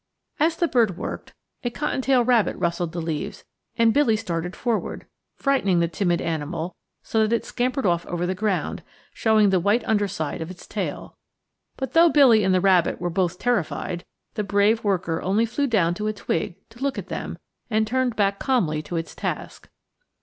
As the bird worked, a cottontail rabbit rustled the leaves, and Billy started forward, frightening the timid animal so that it scampered off over the ground, showing the white underside of its tail. But though Billy and the rabbit were both terrified, the brave worker only flew down to a twig to look at them, and turned back calmly to its task.